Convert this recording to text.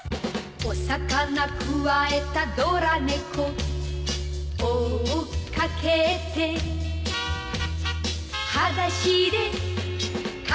「お魚くわえたドラ猫」「追っかけて」「はだしでかけてく」